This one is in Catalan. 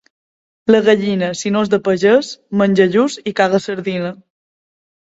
La gallina, si no és de pagès, menja lluç i caga sardina.